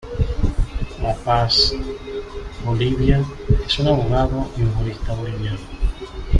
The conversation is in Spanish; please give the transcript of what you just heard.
La Paz, Bolivia, es un abogado y jurista boliviano.